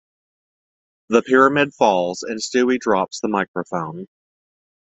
The pyramid falls and Stewie drops the microphone.